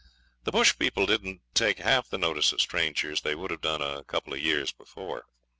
The bush people didn't take half the notice of strangers they would have done a couple of years before.